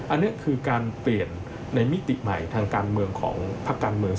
อันนี้คือการเปลี่ยนในมิติใหม่ทางการเมืองของพักการเมือง